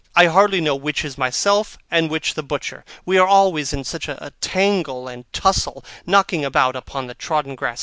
I hardly know which is myself and which the butcher, we are always in such a tangle and tussle, knocking about upon the trodden grass.